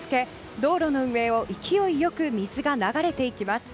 道路の上を勢いよく水が流れていきます。